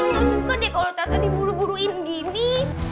ngesuka deh kalo tata diburu buruin gini